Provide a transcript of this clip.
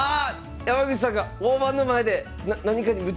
山口さんが大盤の前で何かに夢中になってる！